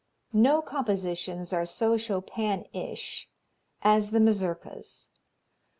No compositions are so Chopin ish as the Mazurkas.